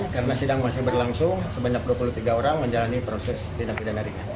karena sidang masih berlangsung sebanyak dua puluh tiga orang menjalani proses tindak pidana ringan